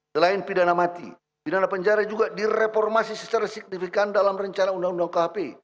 selain pidana mati pidana penjara juga direformasi secara signifikan dalam rencana undang undang khp